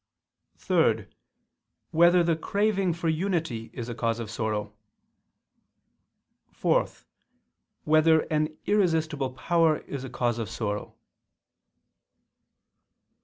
(3) Whether the craving for unity is a cause of sorrow? (4) Whether an irresistible power is a cause of sorrow?